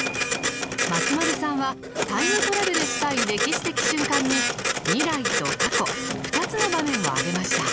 松丸さんはタイムトラベルしたい歴史的瞬間に未来と過去２つの場面を挙げました。